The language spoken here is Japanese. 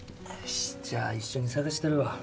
じゃあ一緒に探したるわ。